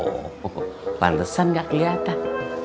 oh pantesan gak kelihatan